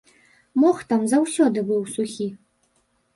Мох там заўсёды быў сухі.